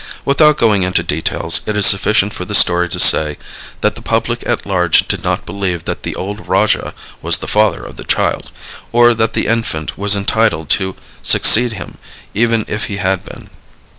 Without going into details, it is sufficient for the story to say that the public at large did not believe that the old rajah was the father of the child, or that the infant was entitled to succeed him even if he had been.